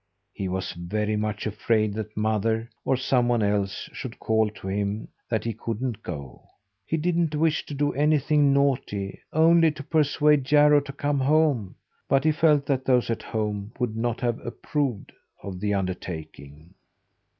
He was very much afraid that mother, or someone else, should call to him that he couldn't go. He didn't wish to do anything naughty, only to persuade Jarro to come home; but he felt that those at home would not have approved of the undertaking.